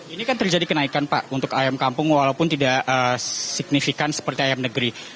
ini kan terjadi kenaikan pak untuk ayam kampung walaupun tidak signifikan seperti ayam negeri